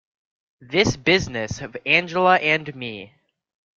This business of Angela and me.